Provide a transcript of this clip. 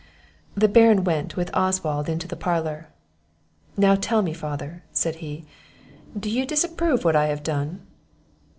The Baron went with Oswald into the parlour. "Now tell me, father," said he, "do you disapprove what I have done?"